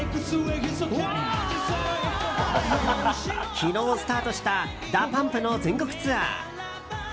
昨日スタートしたＤＡＰＵＭＰの全国ツアー。